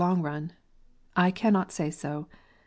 155 run. I cannot say so.